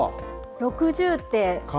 ６０って。